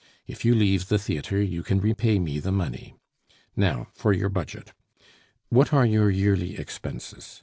If you leave the theatre, you can repay me the money. Now for your budget. What are your yearly expenses?